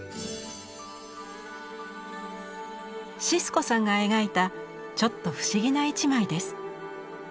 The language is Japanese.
シスコさんが描いたちょっと不思議な一枚です。